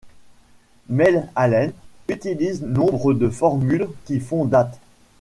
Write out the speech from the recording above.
Mel Allen utilise nombre de formules qui font date.